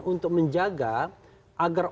untuk menjaga agar